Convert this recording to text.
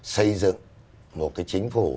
xây dựng một cái chính phủ